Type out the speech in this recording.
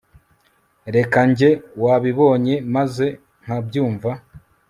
reka njye wabibonye maze nkabyumva